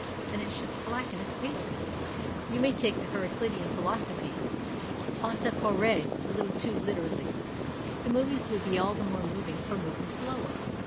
And it should slacken its pace a bit. You may take the Heraclitean philosophy — Traiaa x^P" — a little too literally. The movies would be all the more moving for moving slower.